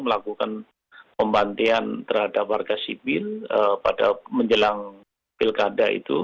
melakukan pembantian terhadap warga sipil pada menjelang pilkada itu